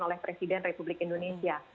oleh presiden republik indonesia